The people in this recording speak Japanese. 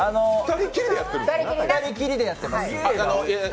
２人きりでやってます。